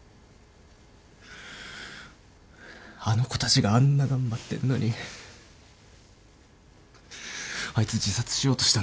あの子たちがあんな頑張ってんのにあいつ自殺しようとしたんだよ。